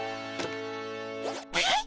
えっ。